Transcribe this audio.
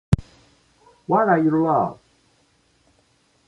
Why are you loved?